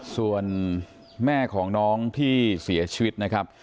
ส่วนแม่ของน้องที่เสียชีวิตนะครับ